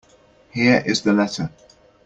Here is the letter.